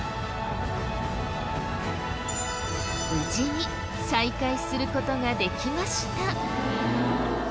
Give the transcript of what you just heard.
無事に再会する事ができました。